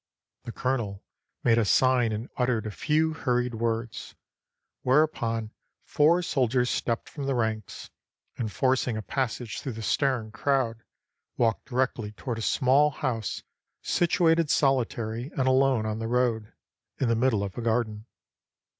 The colonel made a sign and uttered a few hurried words, whereupon four soldiers stepped from the ranks, and forcing a pas sage through the staring crowd, walked directly toward a small house situated solitary and alone on the road, in the middle of a garden.